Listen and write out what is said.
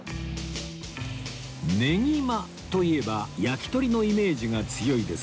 ねぎまといえば焼き鳥のイメージが強いですが